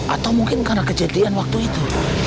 atau mungkin karena kejadian waktu itu